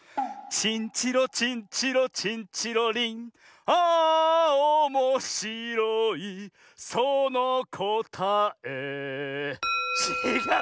「チンチロチンチロチンチロリン」「あおもしろいそのこたえ」ちがう！